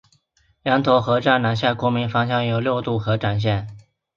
羊臼河站南下昆明方向有六渡河展线。